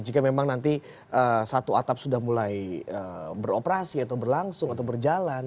jika memang nanti satu atap sudah mulai beroperasi atau berlangsung atau berjalan